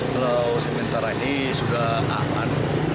kalau sementara ini sudah aman